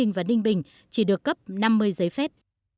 tp hcm chỉ được cấp năm mươi giấy phép